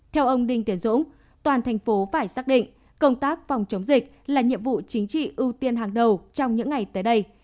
theo ông đinh tiến dũng toàn thành phố phải xác định công tác phòng chống dịch là nhiệm vụ chính trị ưu tiên hàng đầu trong những ngày tới đây